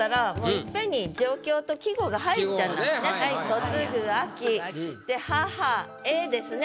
「嫁ぐ秋」で「母へ」ですね。